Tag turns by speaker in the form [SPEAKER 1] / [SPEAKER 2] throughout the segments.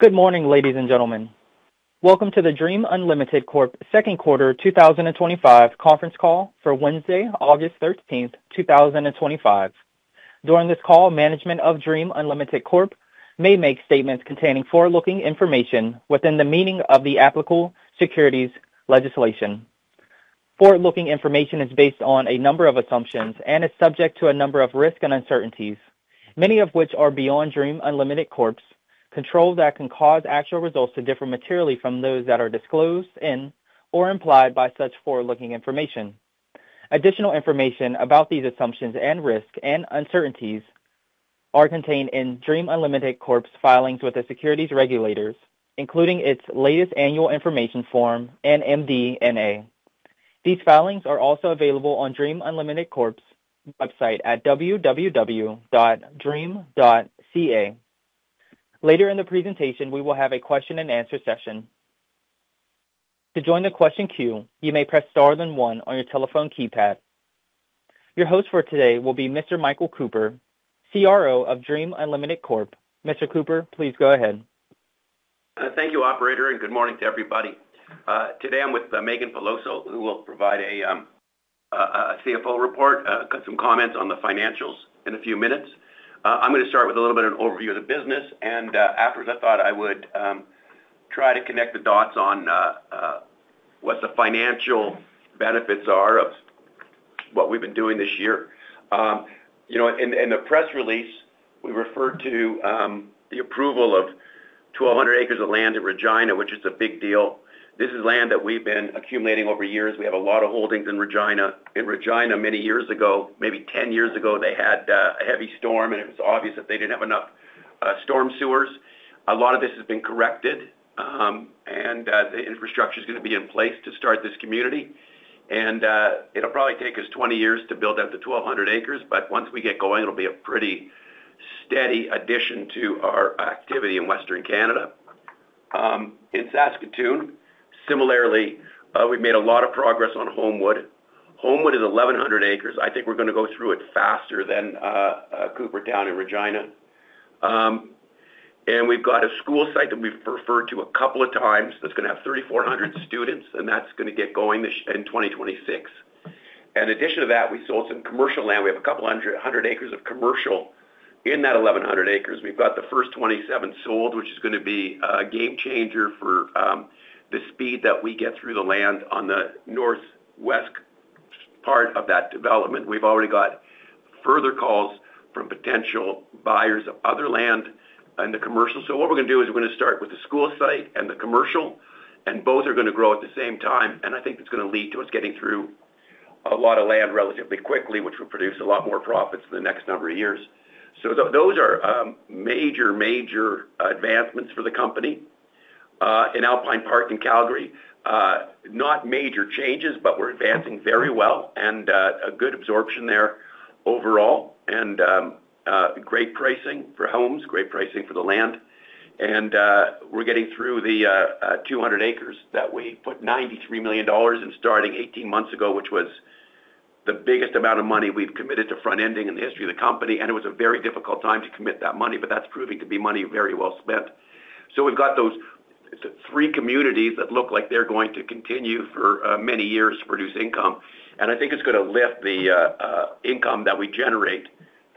[SPEAKER 1] Good morning, ladies and gentlemen. Welcome to the Dream Unlimited Corp. Second Quarter 2025 Conference Call for Wednesday, August 13th, 2025. During this call, management of Dream Unlimited Corp. may make statements containing forward-looking information within the meaning of the applicable securities legislation. Forward-looking information is based on a number of assumptions and is subject to a number of risks and uncertainties, many of which are beyond Dream Unlimited Corp.'s control that can cause actual results to differ materially from those that are disclosed in or implied by such forward-looking information. Additional information about these assumptions and risks and uncertainties are contained in Dream Unlimited Corp.'s filings with the securities regulators, including its latest annual information form and MD&A. These filings are also available on Dream Unlimited Corp.'s website at www.dream.ca. Later in the presentation, we will have a question-and-answer session. To join the question queue, you may press Star then one on your telephone keypad. Your host for today will be Mr. Michael Cooper, CRO of Dream Unlimited Corp. Mr. Cooper, please go ahead.
[SPEAKER 2] Thank you, operator, and good morning to everybody. Today I'm with Meaghan Peloso, who will provide a CFO report, cut some comments on the financials in a few minutes. I'm going to start with a little bit of an overview of the business, and afterwards, I thought I would try to connect the dots on what the financial benefits are of what we've been doing this year. In the press release, we referred to the approval of 1,200 acres of land in Regina, which is a big deal. This is land that we've been accumulating over years. We have a lot of holdings in Regina. In Regina, many years ago, maybe 10 years ago, they had a heavy storm, and it was obvious that they didn't have enough storm sewers. A lot of this has been corrected, and the infrastructure is going to be in place to start this community. It'll probably take us 20 years to build out the 1,200 acres, but once we get going, it'll be a pretty steady addition to our activity in Western Canada. In Saskatoon, similarly, we've made a lot of progress on Homewood. Homewood is 1,100 acres. I think we're going to go through it faster than Cooper Town in Regina. We've got a school site that we've referred to a couple of times that's going to have 3,400 students, and that's going to get going in 2026. In addition to that, we sold some commercial land. We have a couple hundred acres of commercial in that 1,100 acres. We've got the first 27 sold, which is going to be a game changer for the speed that we get through the land on the northwest part of that development. We've already got further calls from potential buyers of other land in the commercial. What we're going to do is we're going to start with the school site and the commercial, and both are going to grow at the same time. I think it's going to lead to us getting through a lot of land relatively quickly, which would produce a lot more profits in the next number of years. Those are major, major advancements for the company. In Alpine Park in Calgary, not major changes, but we're advancing very well and a good absorption there overall and great pricing for homes, great pricing for the land. We're getting through the 200 acres that we put $93 million in starting 18 months ago, which was the biggest amount of money we've committed to front-ending in the history of the company. It was a very difficult time to commit that money, but that's proving to be money very well spent. We've got those three communities that look like they're going to continue for many years to produce income. I think it's going to lift the income that we generate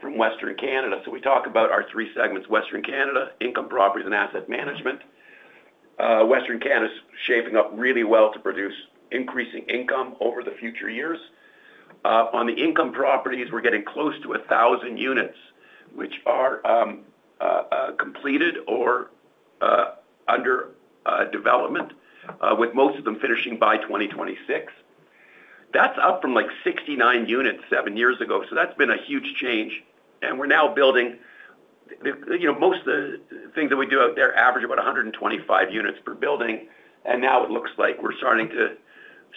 [SPEAKER 2] from Western Canada. We talk about our three segments: Western Canada, income properties, and asset management. Western Canada is shaping up really well to produce increasing income over the future years. On the income properties, we're getting close to 1,000 units, which are completed or under development, with most of them finishing by 2026. That's up from like 69 units seven years ago. That's been a huge change. We're now building most of the things that we do out there, average about 125 units per building. It looks like we're starting to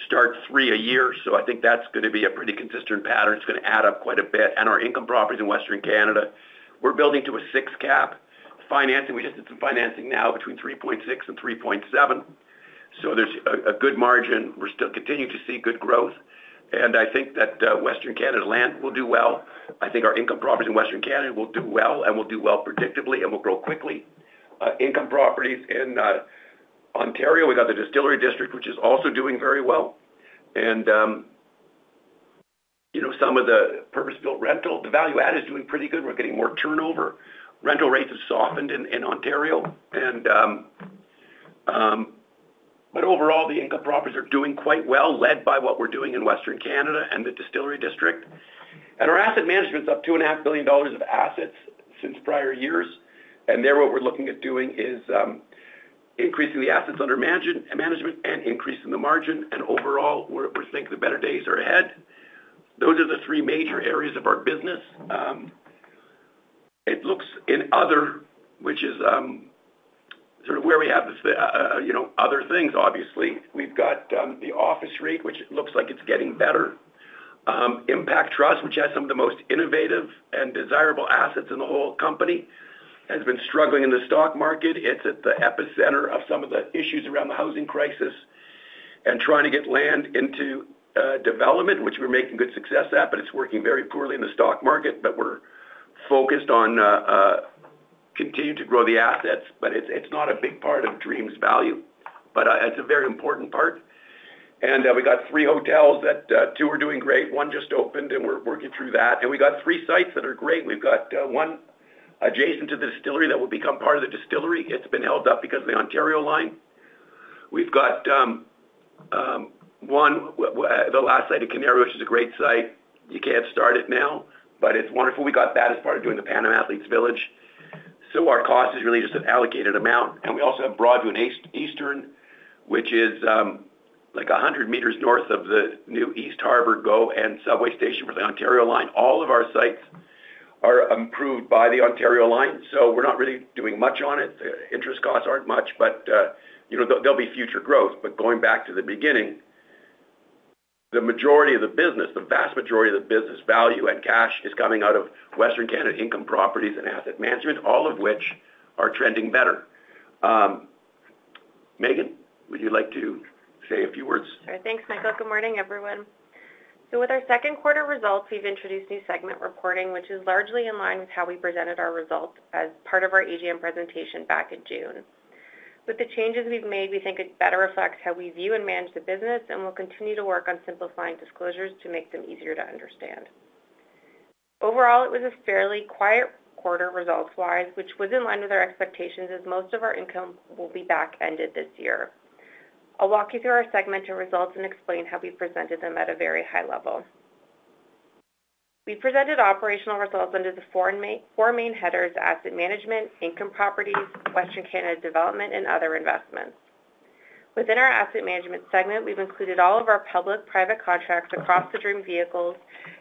[SPEAKER 2] start three a year. I think that's going to be a pretty consistent pattern. It's going to add up quite a bit. Our income properties in Western Canada, we're building to a six-cap financing. We just did some financing now between 3.6% and 3.7%. There's a good margin. We're still continuing to see good growth. I think that Western Canada land will do well. I think our income properties in Western Canada will do well and will do well predictably and will grow quickly. Income properties in Ontario, we got the Distillery District, which is also doing very well. Some of the purpose-built rental, the value-add is doing pretty good. We're getting more turnover. Rental rates have softened in Ontario. Overall, the income properties are doing quite well, led by what we're doing in Western Canada and the Distillery District. Our asset management is up $2.5 billion of assets since prior years. There what we're looking at doing is increasing the assets under management and increasing the margin. Overall, we're thinking the better days are ahead. Those are the three major areas of our business. It looks in other, which is sort of where we have this, other things, obviously. We've got the office REIT, which looks like it's getting better. Dream Impact Trust, which has some of the most innovative and desirable assets in the whole company, has been struggling in the stock market. It's at the epicenter of some of the issues around the housing crisis and trying to get land into development, which we're making good success at, but it's working very poorly in the stock market. We're focused on continuing to grow the assets, but it's not a big part of Dream's value, though it's a very important part. We have three hotels; two are doing great, one just opened and we're working through that. We have three sites that are great. We have one adjacent to the Distillery District that will become part of the Distillery District. It's been held up because of the Ontario Line. We have one, the last site at Canaria, which is a great site. You can't start it now, but it's wonderful. We got that as part of doing the Panama Athletes Village, so our cost is really just an allocated amount. We also have Broadview and Eastern, which is about 100 meters north of the new East Harbour GO and subway station for the Ontario Line. All of our sites are improved by the Ontario Line. We're not really doing much on it. The interest costs aren't much, but there will be future growth. Going back to the beginning, the majority of the business, the vast majority of the business value and cash is coming out of Western Canada income properties and asset management, all of which are trending better. Meaghan, would you like to say a few words?
[SPEAKER 3] Sure. Thanks, Michael. Good morning, everyone. With our second quarter results, we've introduced new segment reporting, which is largely in line with how we presented our results as part of our AGM presentation back in June. With the changes we've made, we think it better reflects how we view and manage the business, and we'll continue to work on simplifying disclosures to make them easier to understand. Overall, it was a fairly quiet quarter results-wise, which was in line with our expectations as most of our income will be back-ended this year. I'll walk you through our segmented results and explain how we presented them at a very high level. We presented operational results under the four main headers: asset management, income properties, Western Canada development, and other investments. Within our asset management segment, we've included all of our public-private contracts across the Dream vehicles,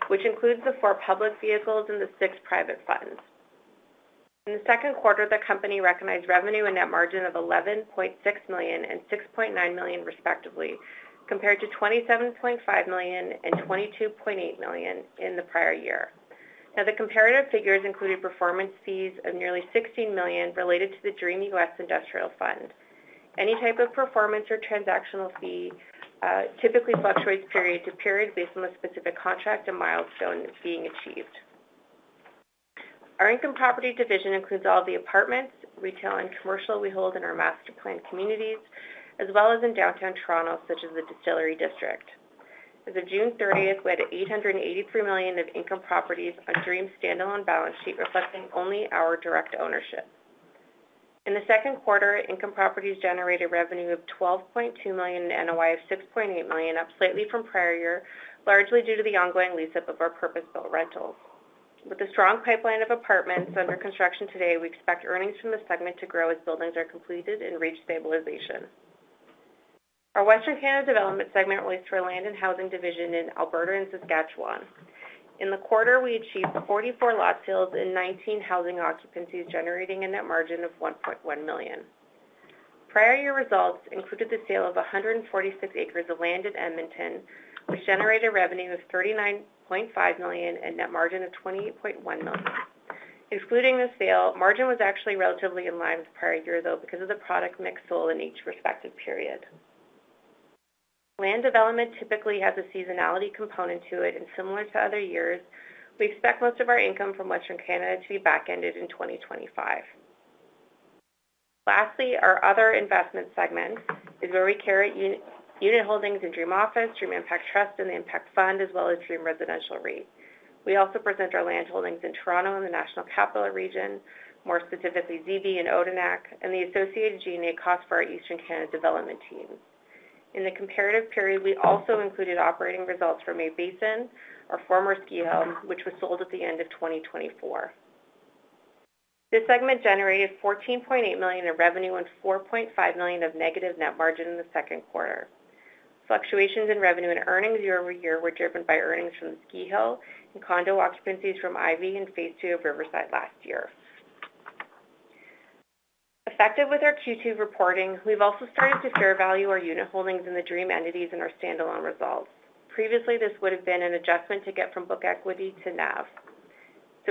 [SPEAKER 3] which includes the four public vehicles and the six private funds. In the second quarter, the company recognized revenue and net margin of $11.6 million and $6.9 million, respectively, compared to $27.5 million and $22.8 million in the prior year. The comparative figures included performance fees of nearly $16 million related to the Dream US Industrial Fund. Any type of performance or transactional fee typically fluctuates period to period based on the specific contract and milestone that's being achieved. Our income property division includes all of the apartments, retail, and commercial we hold in our master-planned communities, as well as in downtown Toronto, such as the Distillery District. As of June 30th, we had $883 million of income properties on Dream's standalone balance sheet, reflecting only our direct ownership. In the second quarter, income properties generated a revenue of $12.2 million and an NOI of $6.8 million, up slightly from prior year, largely due to the ongoing lease-up of our purpose-built rentals. With a strong pipeline of apartments under construction today, we expect earnings from the segment to grow as buildings are completed and reach stabilization. Our Western Canada development segment relates to our land and housing division in Alberta and Saskatchewan. In the quarter, we achieved 44 lot sales and 19 housing occupancies, generating a net margin of $1.1 million. Prior year results included the sale of 146 acres of land in Edmonton, which generated a revenue of $39.5 million and a net margin of $28.1 million. Excluding the sale, margin was actually relatively in line with prior year, though, because of the product mix sold in each respective period. Land development typically has a seasonality component to it, and similar to other years, we expect most of our income from Western Canada to be back-ended in 2025. Lastly, our other investment segment is where we carry unit holdings in Dream Office, Dream Impact Trust, and the Impact Fund, as well as Dream Residential REIT. We also present our land holdings in Toronto and the National Capital Region, more specifically ZB and Odanak, and the associated G&A costs for our Eastern Canada development team. In the comparative period, we also included operating results from May Basin, our former ski home, which was sold at the end of 2024. This segment generated $14.8 million in revenue and $4.5 million of negative net margin in the second quarter. Fluctuations in revenue and earnings year over year were driven by earnings from the ski hill and condo occupancies from IVY and Phase Two of Riverside last year. Effective with our Q2 reporting, we've also started to fair value our unit holdings in the Dream entities in our standalone results. Previously, this would have been an adjustment to get from book equity to NAV.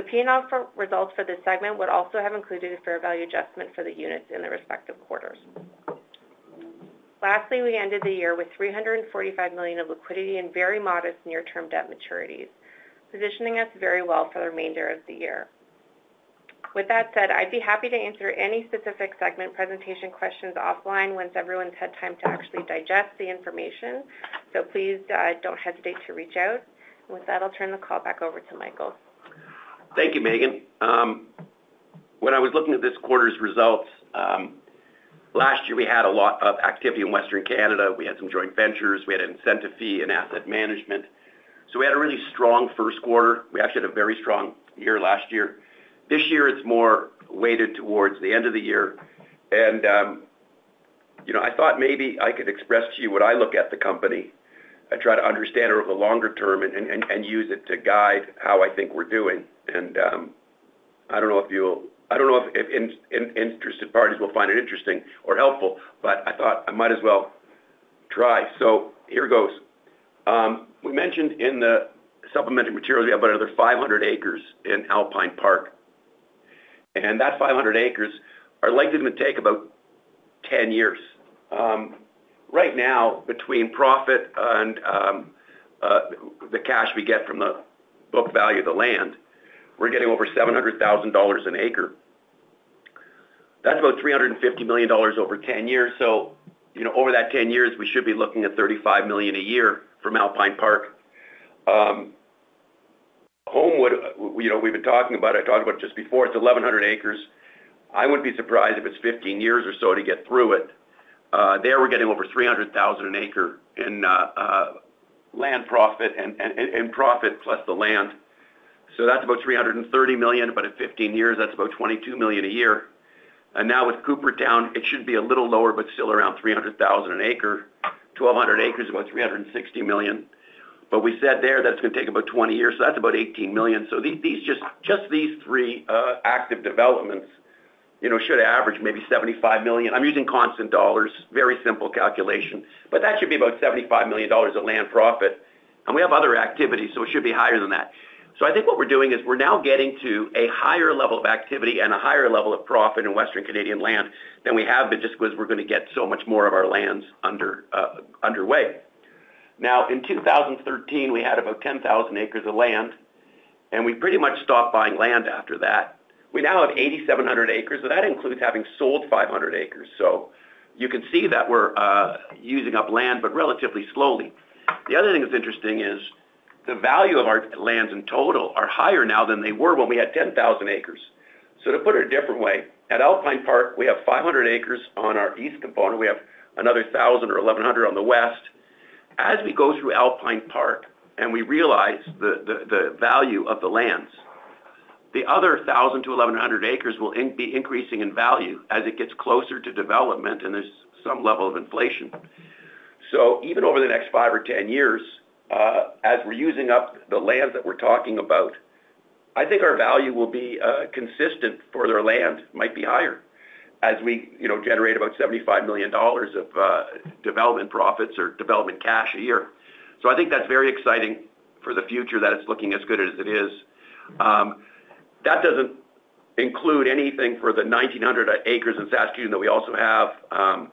[SPEAKER 3] P&L results for this segment would also have included a fair value adjustment for the units in the respective quarters. Lastly, we ended the year with $345 million of liquidity and very modest near-term debt maturities, positioning us very well for the remainder of the year. With that said, I'd be happy to answer any specific segment presentation questions offline once everyone's had time to actually digest the information. Please don't hesitate to reach out. With that, I'll turn the call back over to Michael.
[SPEAKER 2] Thank you, Meaghan. When I was looking at this quarter's results, last year we had a lot of activity in Western Canada. We had some joint ventures. We had an incentive fee and asset management. We had a really strong first quarter. We actually had a very strong year last year. This year, it's more weighted towards the end of the year. I thought maybe I could express to you when I look at the company, I try to understand it over the longer term and use it to guide how I think we're doing. I don't know if interested parties will find it interesting or helpful, but I thought I might as well try. Here goes. We mentioned in the supplementary materials we have another 500 acres in Alpine Park. That 500 acres, our length is going to take about 10 years. Right now, between profit and the cash we get from the book value of the land, we're getting over $700,000 an acre. That's about $350 million over 10 years. Over that 10 years, we should be looking at $35 million a year from Alpine Park. Homewood, we've been talking about it. I talked about it just before. It's 1,100 acres. I wouldn't be surprised if it's 15 years or so to get through it. There, we're getting over $300,000 an acre in land profit and profit plus the land. That's about $330 million, but at 15 years, that's about $22 million a year. Now with Coopertown, it should be a little lower, but still around $300,000 an acre. 1,200 acres is about $360 million. We said there that it's going to take about 20 years, so that's about $18 million. These just these three active developments should average maybe $75 million. I'm using constant dollars, very simple calculation. That should be about $75 million of land profit. We have other activities, so it should be higher than that. I think what we're doing is we're now getting to a higher level of activity and a higher level of profit in Western Canadian land than we have just because we're going to get so much more of our lands underway. In 2013, we had about 10,000 acres of land, and we pretty much stopped buying land after that. We now have 8,700 acres, so that includes having sold 500 acres. You can see that we're using up land, but relatively slowly. The other thing that's interesting is the value of our lands in total are higher now than they were when we had 10,000 acres. To put it a different way, at Alpine Park, we have 500 acres on our east component. We have another 1,000 acres or 1,100 acres on the west. As we go through Alpine Park and realize the value of the lands, the other 1,000-1,100 acres will be increasing in value as it gets closer to development and there's some level of inflation. Even over the next five or ten years, as we're using up the lands that we're talking about, I think our value will be consistent for their land. It might be higher as we generate about $75 million of development profits or development cash a year. I think that's very exciting for the future that it's looking as good as it is. That doesn't include anything for the 1,900 acres in Saskatoon that we also have.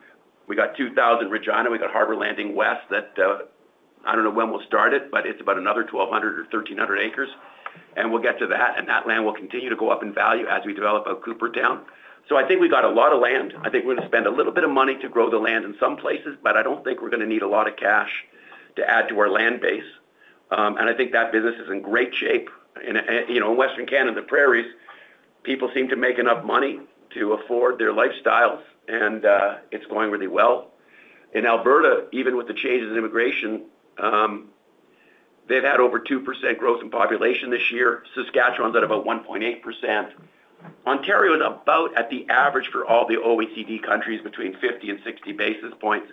[SPEAKER 2] We got 2,000 in Regina. We got Harbor Landing West that I don't know when we'll start, but it's about another 1,200 acres or 1,300 acres. We'll get to that, and that land will continue to go up in value as we develop out Coopertown. I think we got a lot of land. I think we're going to spend a little bit of money to grow the land in some places, but I don't think we're going to need a lot of cash to add to our land base. I think that business is in great shape. In Western Canada, the prairies, people seem to make enough money to afford their lifestyles, and it's going really well. In Alberta, even with the changes in immigration, they've had over 2% growth in population this year. Saskatchewan's at about 1.8%. Ontario is about at the average for all the OECD countries between 50 basis points and 60 basis points.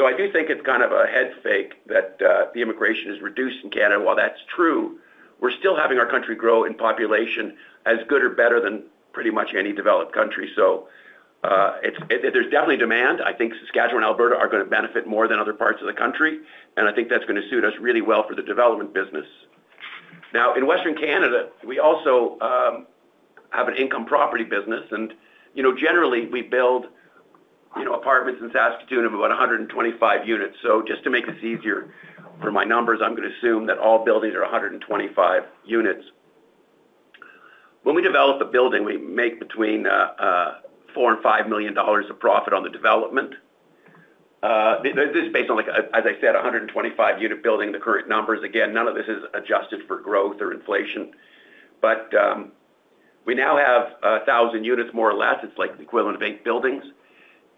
[SPEAKER 2] I do think it's kind of a head fake that the immigration is reduced in Canada. While that's true, we're still having our country grow in population as good or better than pretty much any developed country. There's definitely demand. I think Saskatchewan and Alberta are going to benefit more than other parts of the country. I think that's going to suit us really well for the development business. In Western Canada, we also have an income property business. Generally, we build apartments in Saskatoon of about 125 units. Just to make this easier for my numbers, I'm going to assume that all buildings are 125 units. When we develop a building, we make between $4 million and $5 million of profit on the development. This is based on, like I said, a 125-unit building. The current numbers, again, none of this is adjusted for growth or inflation. We now have 1,000 units more or less. It's like the equivalent of eight buildings.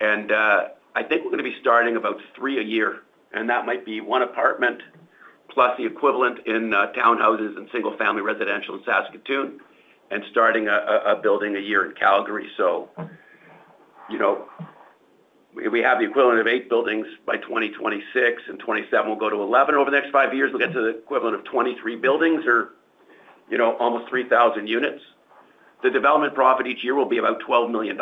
[SPEAKER 2] I think we're going to be starting about three a year. That might be one apartment plus the equivalent in townhouses and single-family residential in Saskatoon and starting a building a year in Calgary. We have the equivalent of eight buildings by 2026, and 2027 will go to 11 over the next five years. We'll get to the equivalent of 23 buildings or almost 3,000 units. The development profit each year will be about $12 million,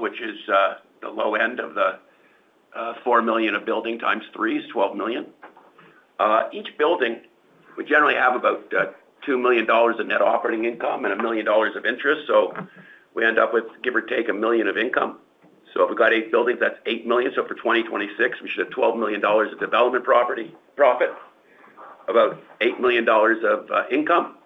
[SPEAKER 2] which is the low end of the $4 million a building times three is $12 million. Each building, we generally have about $2 million in net operating income and $1 million of interest. We end up with, give or take, $1 million of income. If we've got eight buildings, that's $8 million. For 2026, we should have $12 million of development property profit, about $8 million of income.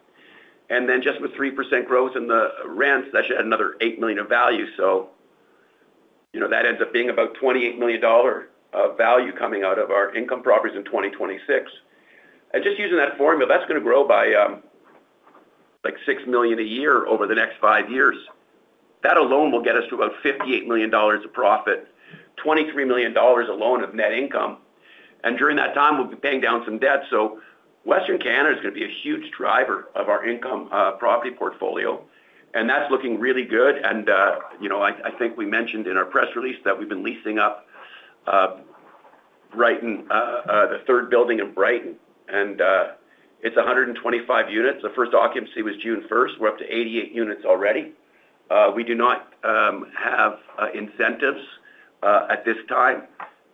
[SPEAKER 2] With 3% growth in the rent, that should add another $8 million of value. That ends up being about $28 million of value coming out of our income properties in 2026. Using that formula, that's going to grow by like $6 million a year over the next five years. That alone will get us to about $58 million of profit, $23 million alone of net income. During that time, we'll be paying down some debt. Western Canada is going to be a huge driver of our income property portfolio. That's looking really good. I think we mentioned in our press release that we've been leasing up Brighton, the third building in Brighton. It's 125 units. The first occupancy was June 1. We're up to 88 units already. We do not have incentives at this time.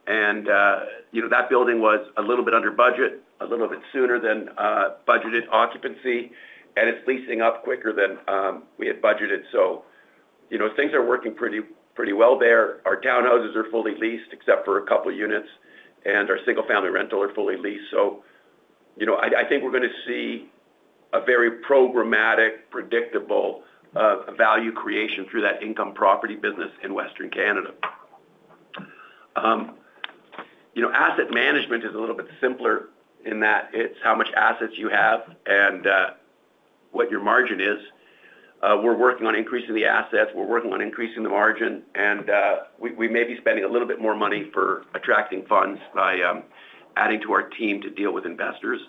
[SPEAKER 2] That building was a little bit under budget, a little bit sooner than budgeted occupancy. It's leasing up quicker than we had budgeted. Things are working pretty, pretty well there. Our townhouses are fully leased except for a couple of units. Our single-family rental are fully leased. I think we're going to see a very programmatic, predictable value creation through that income property business in Western Canada. Asset management is a little bit simpler in that it's how much assets you have and what your margin is. We're working on increasing the assets. We're working on increasing the margin. We may be spending a little bit more money for attracting funds by adding to our team to deal with investors,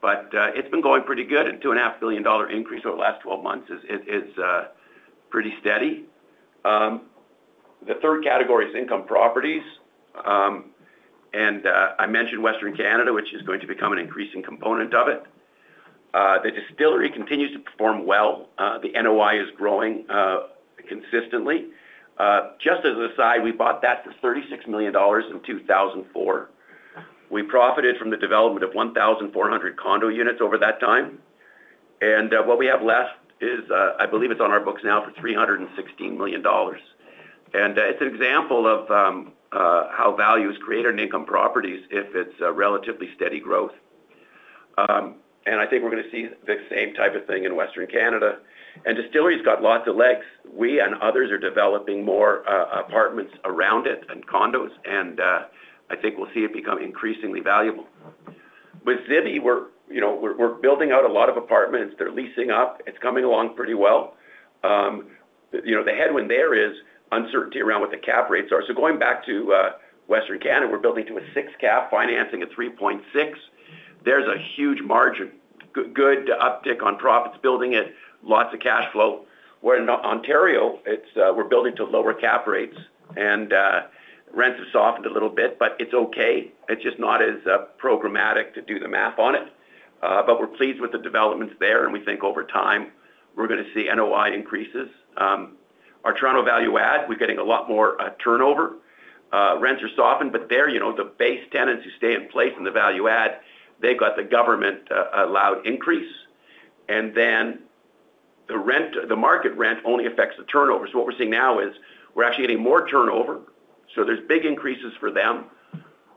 [SPEAKER 2] but it's been going pretty good. A $2.5 billion increase over the last 12 months is pretty steady. The third category is income properties. I mentioned Western Canada, which is going to become an increasing component of it. The Distillery District continues to perform well. The NOI is growing consistently. Just as an aside, we bought that for $36 million in 2004. We profited from the development of 1,400 condo units over that time, and what we have left is, I believe it's on our books now for $316 million. It's an example of how value is created in income properties if it's relatively steady growth. I think we're going to see the same type of thing in Western Canada. The Distillery District has lots of legs. We and others are developing more apartments around it and condos, and I think we'll see it become increasingly valuable. With ZB, we're building out a lot of apartments. They're leasing up. It's coming along pretty well. The headwind there is uncertainty around what the cap rates are. Going back to Western Canada, we're building to a 6% cap, financing at 3.6%. There's a huge margin, good uptick on profits, building it, lots of cash flow. In Ontario, we're building to lower cap rates, and rents have softened a little bit, but it's okay. It's just not as programmatic to do the math on it, but we're pleased with the developments there. We think over time, we're going to see NOI increases. Our Toronto value add, we're getting a lot more turnover. Rents are softened, but the base tenants who stay in place in the value add, they've got the government-allowed increase, and then the market rent only affects the turnover. What we're seeing now is we're actually getting more turnover, so there's big increases for them.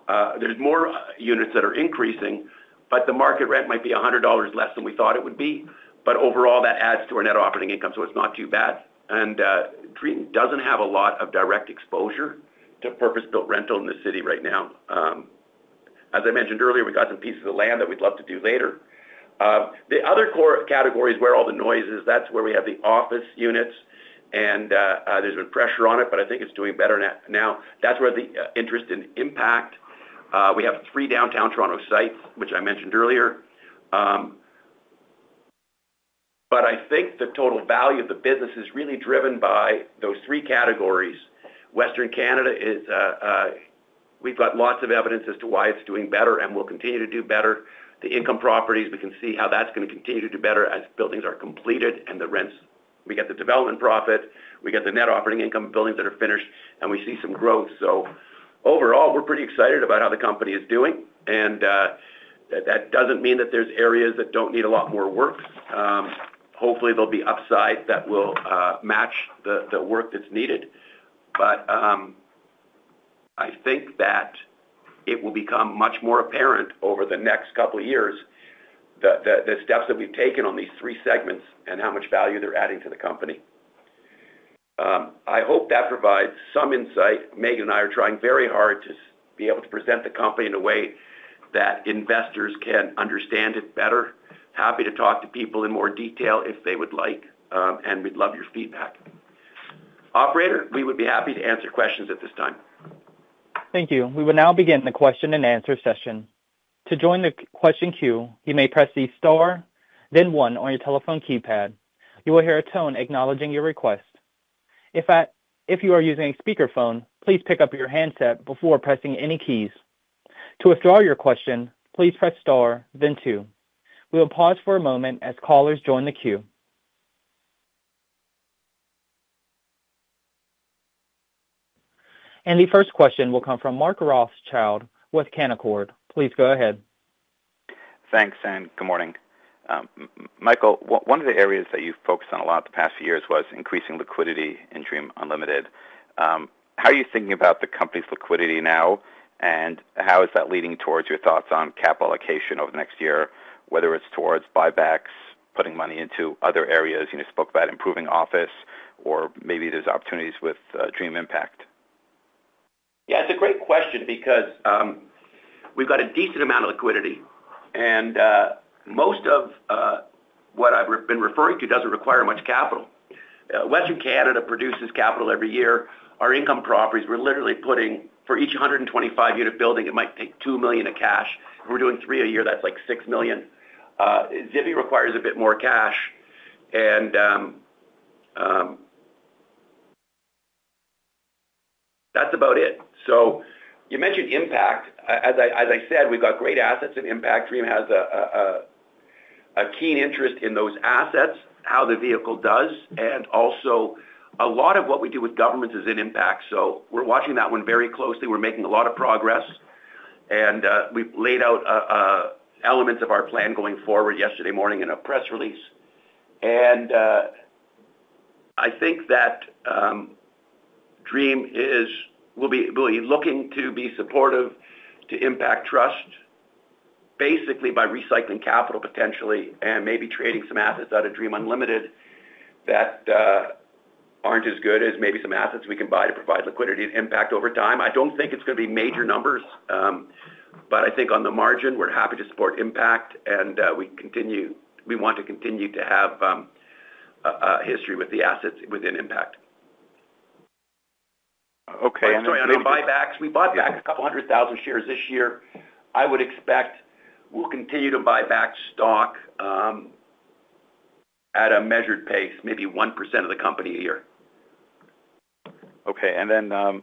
[SPEAKER 2] There's more units that are increasing, but the market rent might be $100 less than we thought it would be. Overall, that adds to our net operating income, so it's not too bad. Dream doesn't have a lot of direct exposure to purpose-built rental in the city right now. As I mentioned earlier, we've got some pieces of land that we'd love to do later. The other core category is where all the noise is. That's where we have the office units. There's been pressure on it, but I think it's doing better now. That's where the interest in impact. We have three downtown Toronto sites, which I mentioned earlier. I think the total value of the business is really driven by those three categories. Western Canada is, we've got lots of evidence as to why it's doing better and will continue to do better. The income properties, we can see how that's going to continue to do better as buildings are completed and the rents. We get the development profit. We get the net operating income of buildings that are finished and we see some growth. Overall, we're pretty excited about how the company is doing. That doesn't mean that there's areas that don't need a lot more work. Hopefully, there'll be upside that will match the work that's needed. I think that it will become much more apparent over the next couple of years, the steps that we've taken on these three segments and how much value they're adding to the company. I hope that provides some insight. Meaghan and I are trying very hard to be able to present the company in a way that investors can understand it better. Happy to talk to people in more detail if they would like. We'd love your feedback. Operator, we would be happy to answer questions at this time.
[SPEAKER 1] Thank you. We will now begin the question-and-answer session. To join the question queue, you may press Star then one on your telephone keypad. You will hear a tone acknowledging your request. If you are using a speakerphone, please pick up your handset before pressing any keys. To withdraw your question, please press Star then two. We will pause for a moment as callers join the queue. The first question will come from Mark Rothschild with Canaccord. Please go ahead.
[SPEAKER 4] Thanks, and good morning. Michael, one of the areas that you've focused on a lot the past few years was increasing liquidity in Dream Unlimited. How are you thinking about the company's liquidity now? How is that leading towards your thoughts on capital allocation over the next year, whether it's towards buybacks, putting money into other areas? You spoke about improving Office, or maybe there's opportunities with Dream Impact.
[SPEAKER 2] Yeah, it's a great question because we've got a decent amount of liquidity. Most of what I've been referring to doesn't require much capital. Western Canada produces capital every year. Our income properties, we're literally putting for each 125-unit building, it might take $2 million of cash. If we're doing three a year, that's like $6 million. ZB requires a bit more cash, and that's about it. You mentioned Impact. As I said, we've got great assets in Impact. Dream has a keen interest in those assets, how the vehicle does. Also, a lot of what we do with governments is in Impact. We're watching that one very closely. We're making a lot of progress, and we've laid out elements of our plan going forward yesterday morning in a press release. I think that Dream will be looking to be supportive to Dream Impact Trust, basically by recycling capital, potentially, and maybe trading some assets out of Dream Unlimited that aren't as good as maybe some assets we can buy to provide liquidity and impact over time. I don't think it's going to be major numbers, but I think on the margin, we're happy to support Impact. We continue, we want to continue to have a history with the assets within Impact.
[SPEAKER 4] Okay.
[SPEAKER 2] Sorry, on the buybacks, we bought back a couple 100,000 shares this year. I would expect we'll continue to buy back stock at a measured pace, maybe 1% of the company a year.
[SPEAKER 4] Okay. On the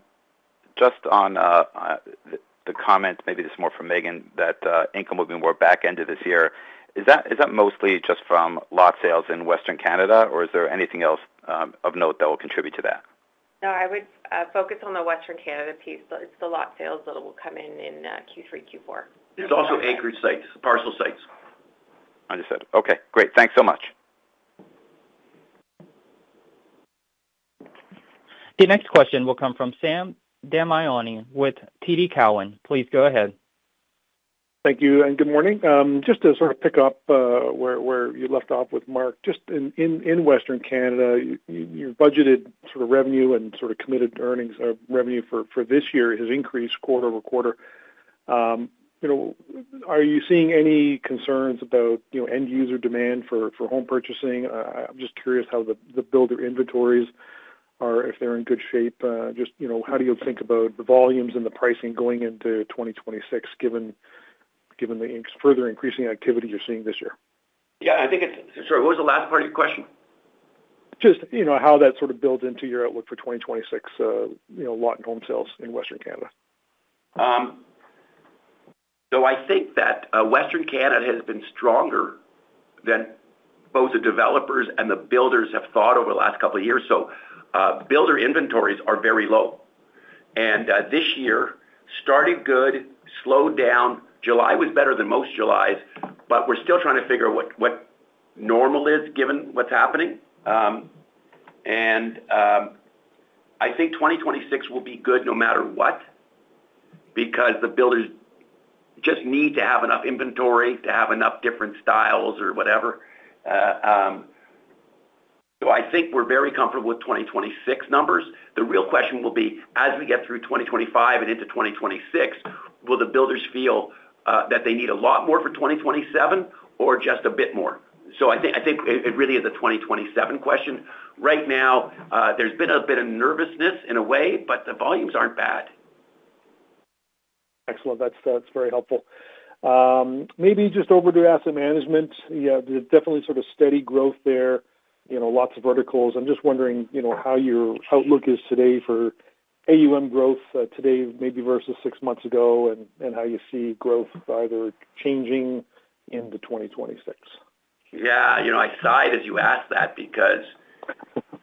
[SPEAKER 4] comments, maybe this is more for Meaghan, that income will be more back-ended this year. Is that mostly just from lot sales in Western Canada, or is there anything else of note that will contribute to that?
[SPEAKER 3] No, I would focus on the Western Canada piece. It's the lot sales that will come in in Q3, Q4.
[SPEAKER 2] It's also acreage sites, parcel sites.
[SPEAKER 4] Understood. Okay. Great. Thanks so much.
[SPEAKER 1] The next question will come from Sam Damiani with TD Cowen. Please go ahead.
[SPEAKER 5] Thank you, and good morning. Just to sort of pick up where you left off with Mark, just in Western Canada, your budgeted sort of revenue and sort of committed earnings of revenue for this year has increased quarter over quarter. Are you seeing any concerns about end-user demand for home purchasing? I'm just curious how the builder inventories are, if they're in good shape. How do you think about the volumes and the pricing going into 2026, given the further increasing activity you're seeing this year?
[SPEAKER 2] Yeah, I think it's, sorry, what was the last part of your question?
[SPEAKER 5] Just how that sort of builds into your outlook for 2026, lot and home sales in Western Canada.
[SPEAKER 2] I think that Western Canada has been stronger than both the developers and the builders have thought over the last couple of years. Builder inventories are very low. This year started good, slowed down. July was better than most July, but we're still trying to figure out what normal is given what's happening. I think 2026 will be good no matter what because the builders just need to have enough inventory to have enough different styles or whatever. I think we're very comfortable with 2026 numbers. The real question will be, as we get through 2025 and into 2026, will the builders feel that they need a lot more for 2027 or just a bit more? I think it really is a 2027 question. Right now, there's been a bit of nervousness in a way, but the volumes aren't bad.
[SPEAKER 5] Excellent. That's very helpful. Maybe just over to asset management. You have definitely sort of steady growth there, you know, lots of verticals. I'm just wondering how your outlook is today for assets under management growth today, maybe versus six months ago, and how you see growth either changing into 2026.
[SPEAKER 2] Yeah, you know, I sighed as you asked that because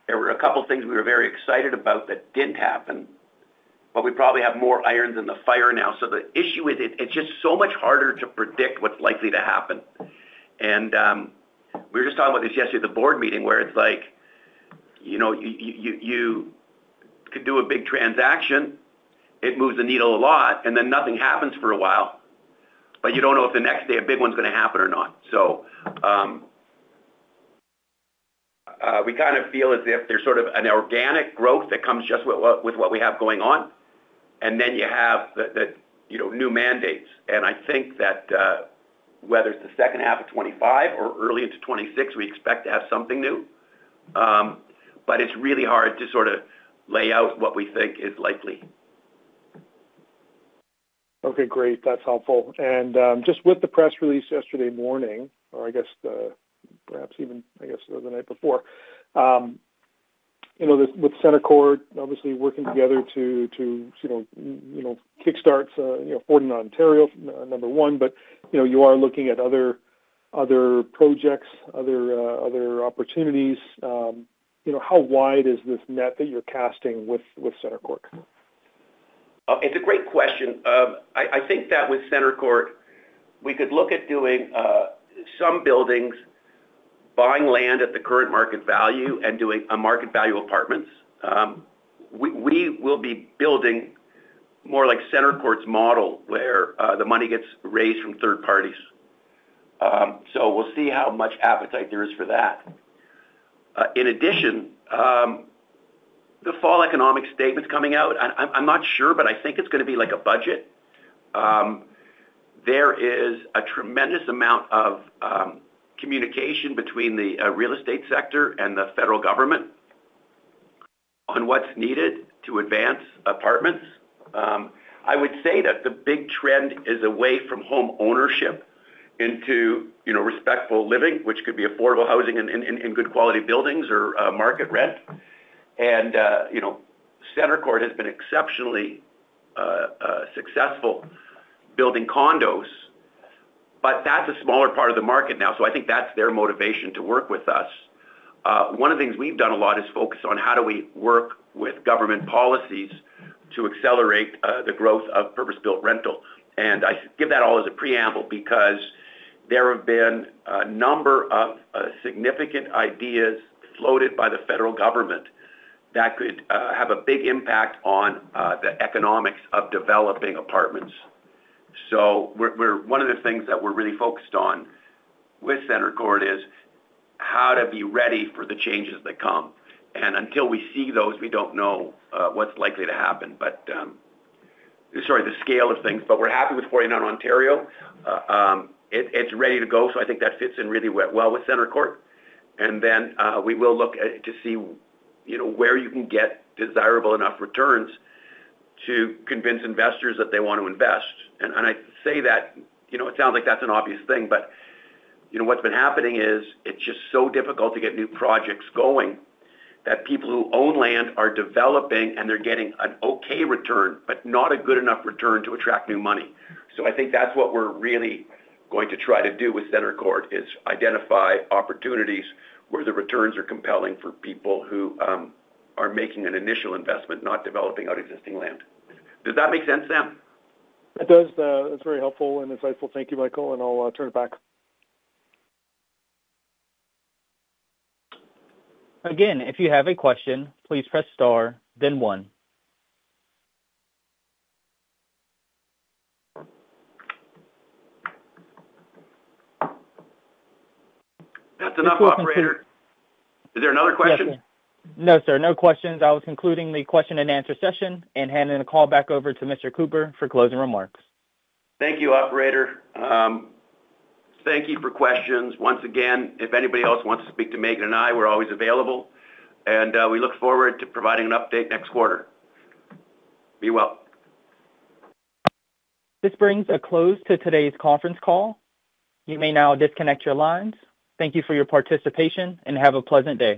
[SPEAKER 2] there were a couple of things we were very excited about that didn't happen, but we probably have more irons in the fire now. The issue is it's just so much harder to predict what's likely to happen. We were just talking about this yesterday at the board meeting where it's like, you know, you could do a big transaction, it moves the needle a lot, and then nothing happens for a while, but you don't know if the next day a big one's going to happen or not. We kind of feel as if there's sort of an organic growth that comes just with what we have going on. Then you have the new mandates. I think that whether it's the second half of 2025 or early into 2026, we expect to have something new. It's really hard to sort of lay out what we think is likely.
[SPEAKER 5] Okay, great. That's helpful. With the press release yesterday morning, or perhaps even the night before, with Centercorp obviously working together to kickstart Fordham, Ontario, number one, you are looking at other projects, other opportunities. How wide is this net that you're casting with Centercorp?
[SPEAKER 2] It's a great question. I think that with Centercorp, we could look at doing some buildings, buying land at the current market value, and doing a market value apartments. We will be building more like Centercorp's model, where the money gets raised from third parties. We'll see how much appetite there is for that. In addition, the fall economic statement's coming out. I'm not sure, but I think it's going to be like a budget. There is a tremendous amount of communication between the real estate sector and the federal government on what's needed to advance apartments. I would say that the big trend is away from home ownership into, you know, respectful living, which could be affordable housing in good quality buildings or market rent. Centercorp has been exceptionally successful building condos, but that's a smaller part of the market now. I think that's their motivation to work with us. One of the things we've done a lot is focus on how do we work with government policies to accelerate the growth of purpose-built rental. I give that all as a preamble because there have been a number of significant ideas floated by the federal government that could have a big impact on the economics of developing apartments. One of the things that we're really focused on with Centercorp is how to be ready for the changes that come. Until we see those, we don't know what's likely to happen. The scale of things, but we're happy with Fordham, Ontario. It's ready to go. I think that fits in really well with Centercorp. We will look to see where you can get desirable enough returns to convince investors that they want to invest. I say that, you know, it sounds like that's an obvious thing, but what's been happening is it's just so difficult to get new projects going that people who own land are developing and they're getting an okay return, but not a good enough return to attract new money. I think that's what we're really going to try to do with Centercorp is identify opportunities where the returns are compelling for people who are making an initial investment, not developing out existing land. Does that make sense then?
[SPEAKER 5] It does. That's very helpful and insightful. Thank you, Michael. I'll turn it back.
[SPEAKER 1] Again, if you have a question, please press Star, then one.
[SPEAKER 5] Is there another question?
[SPEAKER 1] No, sir. No questions. I was concluding the question-and-answer session and handing the call back over to Mr. Cooper for closing remarks.
[SPEAKER 2] Thank you, operator. Thank you for questions. If anybody else wants to speak to Meaghan and I, we're always available, and we look forward to providing an update next quarter. Be well.
[SPEAKER 1] This brings a close to today's conference call. You may now disconnect your lines. Thank you for your participation and have a pleasant day.